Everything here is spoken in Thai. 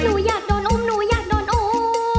หนูอยากโดนอุ้มหนูอยากโดนอุ้ม